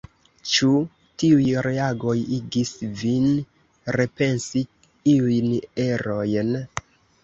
Ĉu tiuj reagoj igis vin repensi iujn erojn?